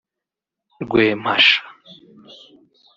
Rwempasha